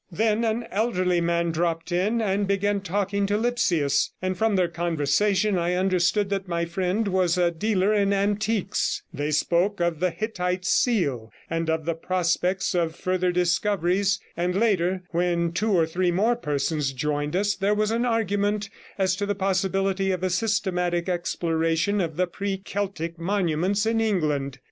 133 Then an elderly man dropped in and began talking to Lipsius, and from their conversation I understood that my friend was a dealer in antiques; they spoke of the Hittite seal, and of the prospects of further discoveries, and later, when two or three more persons joined us, there was an argument as to the possibility of a systematic exploration of the pre Celtic monuments in England.